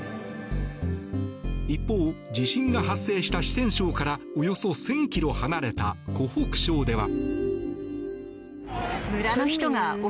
一方、地震が発生した四川省からおよそ１０００ｋｍ離れた湖北省では。